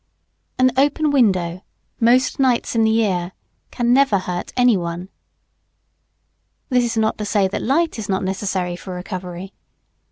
An open window most nights in the year can never hurt any one. This is not to say that light is not necessary for recovery.